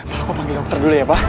aku panggil dokter dulu ya pak